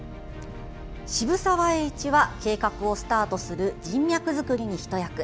渋沢栄一は、計画をスタートする人脈作りに一役。